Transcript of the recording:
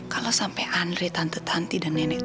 kalau sampai andre tante tanti dan nenek